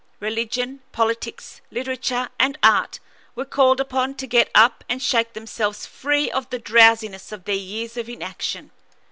Religion, politics, literature, and art were called upon to get up and shake themselves free of the drowsiness of their years of inaction.